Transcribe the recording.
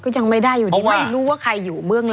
ก็ยังไม่ได้อยู่นี่ไม่รู้ว่าใครอยู่เบื้องหลัง